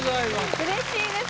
うれしいです。